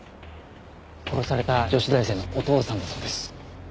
殺された女子大生のお父さんだそうです。